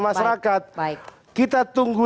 masyarakat baik kita tunggu